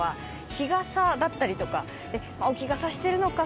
日傘だったりとか、置き傘しているのか